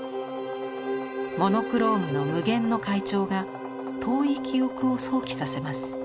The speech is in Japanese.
モノクロームの無限の階調が遠い記憶を想起させます。